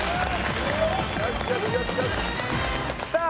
さあ